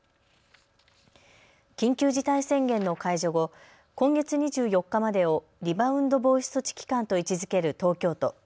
緊急事態宣言の解除後、今月２４日までをリバウンド防止措置期間と位置づける東京都。